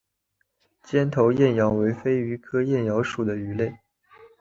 尖头燕鳐为飞鱼科燕鳐属的鱼类。